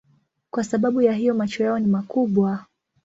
Kwa sababu ya hiyo macho yao ni makubwa.